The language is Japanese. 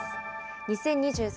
２０２３